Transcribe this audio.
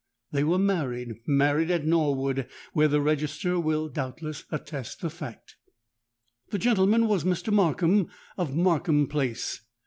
They were married—married at Norwood, where the register will doubtless attest the fact! "This gentleman was Mr. Markham, of Markham Place.